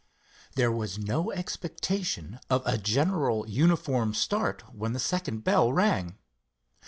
There was no expectation of a general uniform start when the second bell rang.